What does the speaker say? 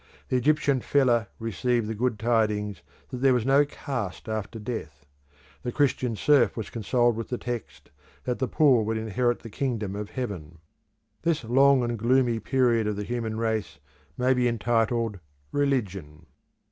The Egyptian fellah received the good tidings that there was no caste after death; the Christian serf was consoled with the text, that the poor would inherit the kingdom of heaven. This long and gloomy period of the human race may be entitled Religion.